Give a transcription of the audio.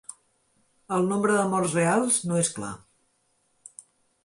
El nombre de morts reals no és clar.